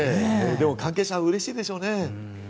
でも関係者はうれしいでしょうね。